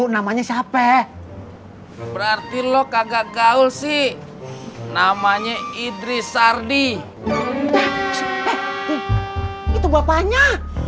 namanya siapa berarti lok agak gaul sih namanya idris sardi itu bapaknya